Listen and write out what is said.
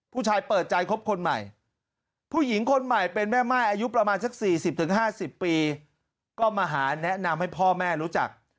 ผู้ชายเปิดใจคบคนใหม่ผู้หญิงคนใหม่เป็นแม่ม่ายอายุประมาณสัก๔๐๕๐ปีก็มาหาแนะนำให้พ่อแม่รู้จัก